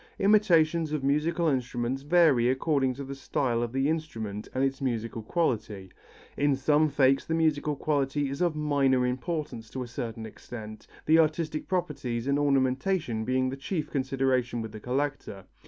Imitations of musical instruments vary according to the style of the instrument and its musical quality. In some fakes the musical quality is of minor importance to a certain extent, the artistic properties and ornamentation being the chief consideration with the collector.